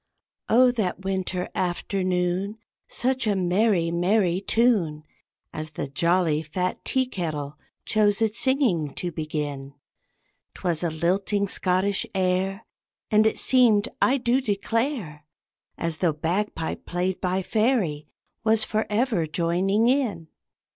Oh, that winter afternoon, Such a merry, merry tune As the jolly, fat tea kettle chose its singing to begin! 'Twas a lilting Scottish air, And it seemed, I do declare, As though bagpipe played by fairy was forever joining in.